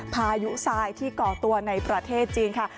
พายุไซที่เกาะตัวในประเทศจีนค่ะ